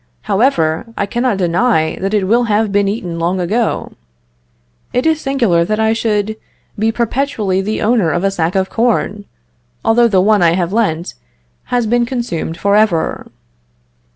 However, I cannot deny that it will have been eaten long ago. It is singular that I should be perpetually the owner of a sack of corn, although the one I have lent has been consumed for ever.